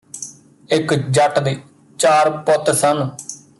ਇਕ ਜੱਟ ਦੇ ਚਾਰ ਪੁੱਤ ਸਨ